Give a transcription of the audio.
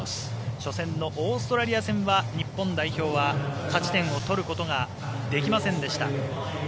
初戦のオーストラリア戦は日本代表は勝ち点を取ることができませんでした。